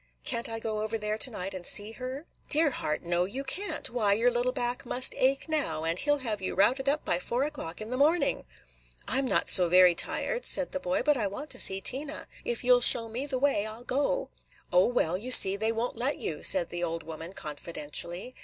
"Can't I go over there to night and see her?" "Dear heart! no, you can't. Why, your little back must ache now, and he 'll have you routed up by four o'clock in the morning." "I 'm not so very tired," said the boy; "but I want to see Tina. If you 'll show me the way, I 'll go." "O, well, you see, they won't let you," said the old woman confidentially.